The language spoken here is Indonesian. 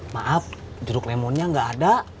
maaf jeruk lemonnya nggak ada